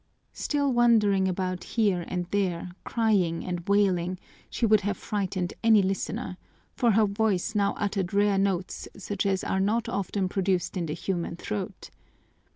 Still wandering about here and there, crying and wailing, she would have frightened any listener, for her voice now uttered rare notes such as are not often produced in the human throat.